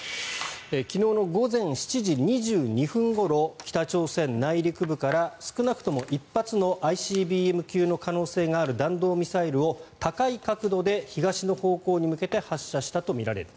昨日の午前７時２２分ごろ北朝鮮内陸部から少なくとも１発のＩＣＢＭ級の可能性がある弾道ミサイルを高い角度で東の方向に向けて発射したとみられる。